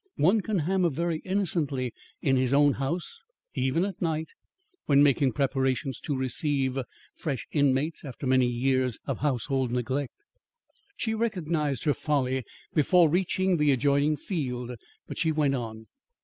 One can hammer very innocently in his own house, even at night, when making preparations to receive fresh inmates after many years of household neglect. She recognised her folly before reaching the adjoining field. But she went on.